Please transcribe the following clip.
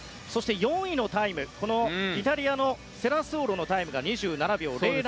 ４位のタイムイタリアのセラスオロのタイムが２７秒０７。